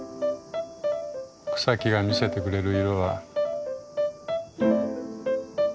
草木が見せてくれる色は。